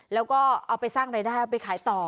แล้วก็เอาไปสร้างรายได้เอาไปขายต่อ